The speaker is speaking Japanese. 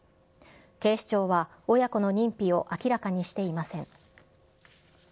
警視庁は親子の認否を明らかにしていません。